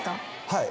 はい。